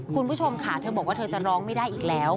คุณผู้ชมค่ะเธอบอกว่าเธอจะร้องไม่ได้อีกแล้ว